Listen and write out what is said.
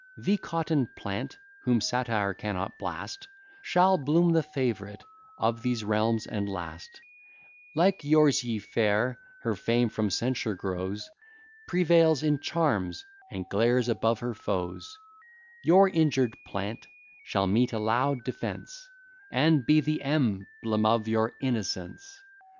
The cotton plant, whom satire cannot blast, Shall bloom the favourite of these realms, and last; Like yours, ye fair, her fame from censure grows, Prevails in charms, and glares above her foes: Your injured plant shall meet a loud defence, And be the emblem of your innocence.